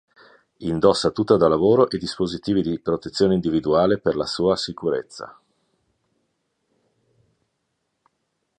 Indossa tuta da lavoro e dispositivi di protezione individuale per la sua sicurezza.